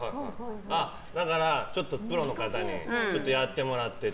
だからプロの方にやってもらってと。